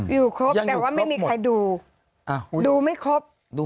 อยู่ครบแต่ว่าไม่มีใครดูดูไม่ครบ